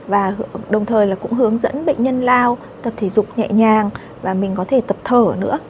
và đồng thời là cũng hướng dẫn bệnh nhân lao tập thể dục nhẹ nhàng và mình có thể tập thở nữa